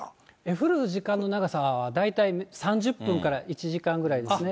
降る時間の長さは、大体３０分から１時間ぐらいですね。